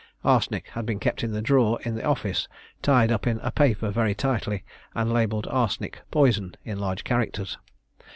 Arsenic had been kept in the drawer in the office, tied up in a paper very tightly, and labelled "Arsenic, poison," in large characters.